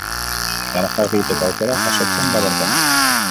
Garajeak egiteko aukera jasotzen da bertan.